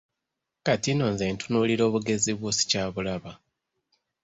Kati nno nze ntunuulira obugezi bwo sikyabulaba.